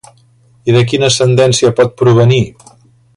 I de quina ascendència pot provenir?